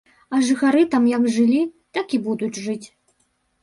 А жыхары там як жылі, так і будуць жыць.